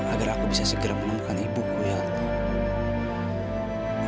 agar aku bisa segera menemukan ibuku ya allah